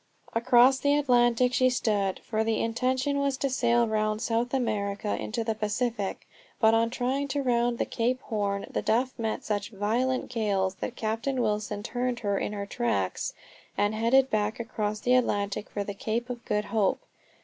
Across the Atlantic she stood, for the intention was to sail round South America into the Pacific. But on trying to round the Cape Horn The Duff met such violent gales that Captain Wilson turned her in her tracks and headed back across the Atlantic for the Cape of Good Hope.